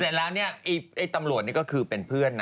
เสร็จแล้วเนี่ยไอ้ตำรวจนี่ก็คือเป็นเพื่อนนะ